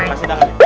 kasih tangan ya